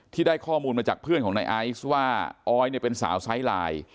ได้ข้อมูลมาจากเพื่อนของนายไอซ์ว่าออยเนี่ยเป็นสาวไซส์ไลน์